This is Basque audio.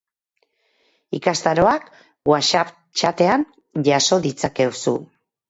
Ikastaroak WhatsApp txatean jaso ditzakezu.